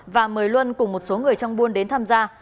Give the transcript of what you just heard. và mời luân cùng một số người trong buôn đến tham gia